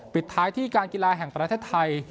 ปิดท้ายที่การกีฬาแห่งประเทศไทย